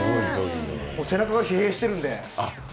背中が疲弊しているので。